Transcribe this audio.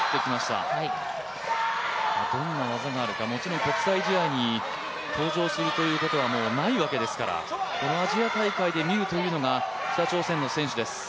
どんな技があるか、もちろん国際試合に登場するということがないわけですからこのアジア大会で見るというのが北朝鮮の選手です。